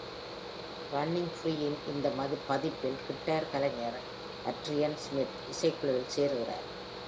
"Running free" இன் இந்த பதிப்பில் கிட்டார் கலைஞர் அட்ரியன் ஸ்மித் இசைக்குழுவில் சேருகிறார்.